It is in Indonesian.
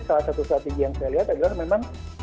salah satu strategi yang saya lihat adalah memang